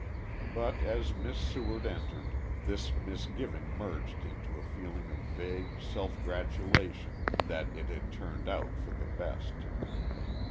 But as Miss Seward entered, this misgiving merged into a feeling of vague self gratulation that it had turned out for the best.